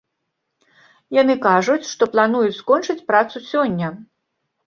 Яны кажуць, што плануюць скончыць працу сёння.